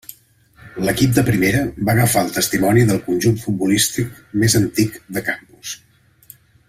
L'equip de Primera va agafar el testimoni del conjunt futbolístic més antic de Campos.